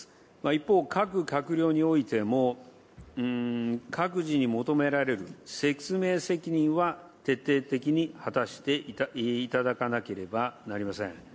一方、各閣僚においても、各自に求められる説明責任は徹底的に果たしていただかなければなりません。